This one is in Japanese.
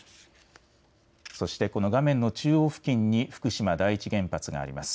そして、この画面の中央付近に福島第一原発があります。